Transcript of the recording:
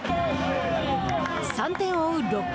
３点を追う６回。